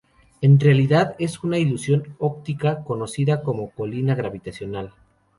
En realidad es una ilusión óptica conocida como Colina gravitacional.